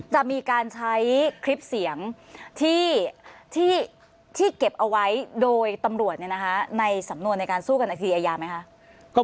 จะมีการใช้คลิปเสียงที่เก็บเอาไว้โดยตำรวจในสำนวนในการสู้กันในคดีอายาไหมคะ